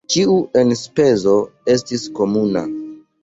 Ĉiu enspezo estis komuna.